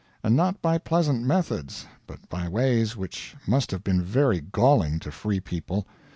And not by pleasant methods, but by ways which must have been very galling to free people.